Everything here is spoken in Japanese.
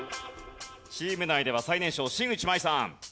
チーム内では最年少新内眞衣さん。